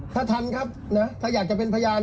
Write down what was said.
ถ้าทันครับนะถ้าอยากจะเป็นพยาน